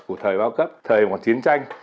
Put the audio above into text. của thời bao cấp thời một chiến tranh